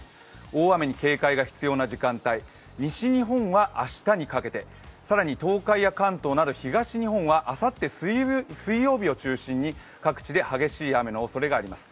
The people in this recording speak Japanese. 大雨に警戒が必要な時間帯、西日本は明日にかけて、更に東海や関東など東日本はあさって水曜日を中心に各地で激しい雨のおそれがあります。